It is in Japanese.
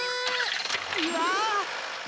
うわ！